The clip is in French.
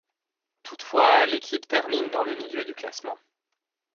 Toutefois, l’équipe termine dans le milieu du classement.